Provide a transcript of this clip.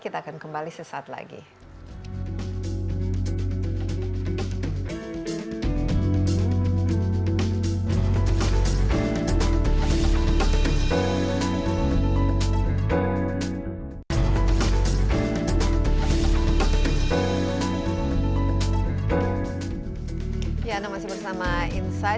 kita akan kembali sesaat lagi